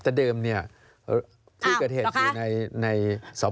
ทั้งเดิมที่เกิดเหตุในสรน